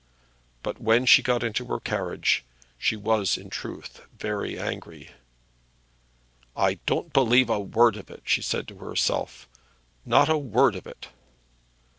But when she got into her carriage, she was in truth very angry. "I don't believe a word of it," she said to herself; "not a word of it."